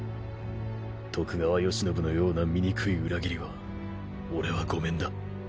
徳川慶喜のような醜い裏切りは俺はごめんだ。